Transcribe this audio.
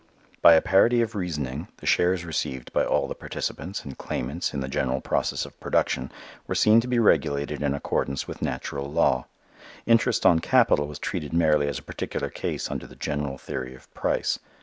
By a parity of reasoning, the shares received by all the participants and claimants in the general process of production were seen to be regulated in accordance with natural law. Interest on capital was treated merely as a particular case under the general theory of price.